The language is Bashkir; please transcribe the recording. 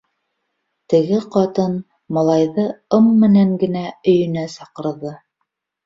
Теге ҡатын малайҙы ым менән генә өйөнә саҡырҙы.